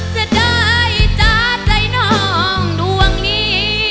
สะดายจ้าใจน้องหน่วงนี้